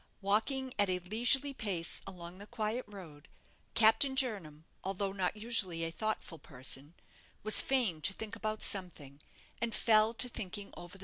Walking at a leisurely pace along the quiet road, Captain Jernam, although not usually a thoughtful person, was fain to think about something, and fell to thinking over the past.